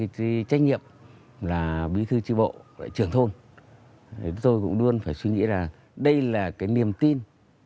cái trách nhiệm là bí thư tri bộ trưởng thôn chúng tôi cũng luôn phải suy nghĩ là đây là cái niềm tin